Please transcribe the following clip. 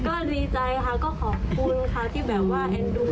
ก็ดีใจค่ะก็ขอบคุณค่ะที่แบบว่าเอ็นดู